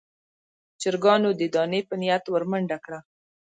چرګانو د دانې په نيت ور منډه کړه.